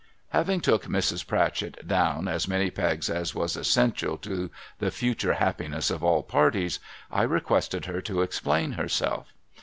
Having took Mrs. Pratchett down as many pegs as was essential to the future happiness of all parties, I requested her to explain herself.